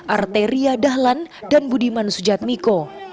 arteria dahlan dan budiman sujatmiko